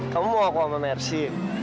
kamu mau aku sama mercy